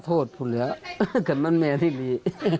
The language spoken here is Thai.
โทษคุณแล้วแบบว่ากันมันมีที่ดี